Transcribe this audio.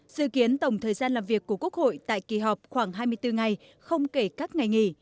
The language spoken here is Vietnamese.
dự kiến tổng thời gian làm việc của quốc hội tại kỳ họp khoảng hai mươi bốn ngày không kể các ngày nghỉ